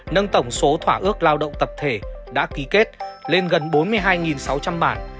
nâng tổng số thỏa ước lao động tập thể đã ký kết lên gần bốn mươi hai sáu trăm linh bản